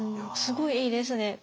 すごいいいですね。